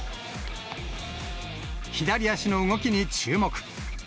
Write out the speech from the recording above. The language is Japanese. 左足の動きに注目。